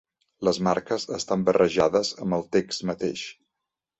Les marques estan barrejades amb el text mateix.